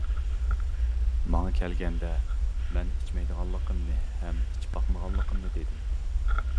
ماڭا كەلگەندە مەن ئىچمەيدىغانلىقىمنى ھەم ئىچىپ باقمىغانلىقىمنى دېدىم.